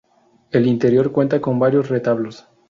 El interior cuenta con varios retablos.